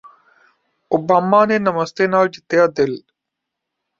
Obama ਨੇ ਨਮਸਤੇ ਨਾਲ ਜਿੱਤਿਆ ਦਿਲ